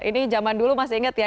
ini zaman dulu masih ingat ya